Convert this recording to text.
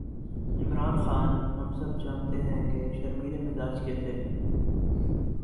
عمران خان، ہم سب جانتے ہیں کہ شرمیلے مزاج کے تھے۔